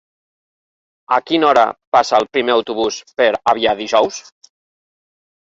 A quina hora passa el primer autobús per Avià dijous?